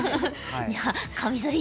じゃあカミソリ